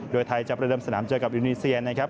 โดยไทยจะประเดิมสนามเจอกับอินโดนีเซียนะครับ